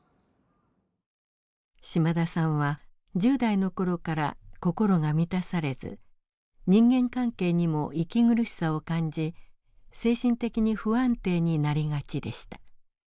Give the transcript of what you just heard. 島田さんは１０代の頃から心が満たされず人間関係にも息苦しさを感じ精神的に不安定になりがちでした。